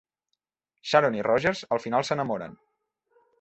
Sharon i Rogers al final s'enamoren.